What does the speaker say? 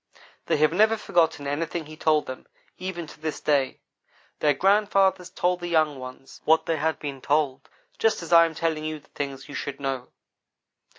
They have never forgotten anything he told them even to this day. Their grandfathers told the young ones what they had been told, just as I am telling you the things you should know.